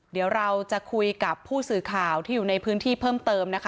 เดี๋ยวเราจะคุยกับผู้สื่อข่าวที่อยู่ในพื้นที่เพิ่มเติมนะคะ